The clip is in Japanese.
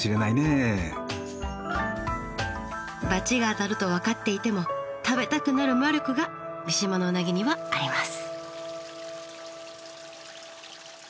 罰が当たると分かっていても食べたくなる魔力が三島のウナギにはあります。